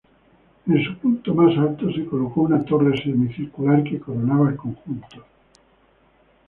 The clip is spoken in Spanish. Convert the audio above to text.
En su punto más alto se colocó una torre semicircular que coronaba el conjunto.